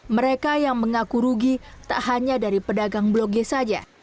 mereka yang mengaku rugi tak hanya dari pedagang blok g saja